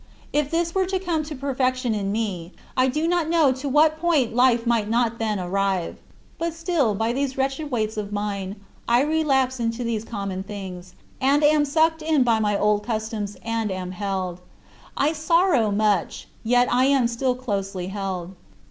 If this were to come to perfection in me I do not know to what point life might not then arrive. But still, by these wretched weights of mine, I relapse into these common things, and am sucked in by my old customs and am held. I sorrow much, yet I am still closely held.